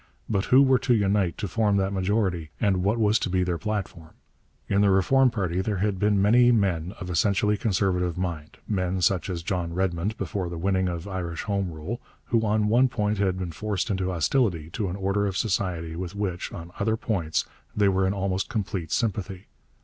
But who were to unite to form that majority, and what was to be their platform? In the Reform party there had been many men of essentially conservative mind, men such as John Redmond before the winning of Irish Home Rule, who on one point had been forced into hostility to an order of society with which, on other points, they were in almost complete sympathy.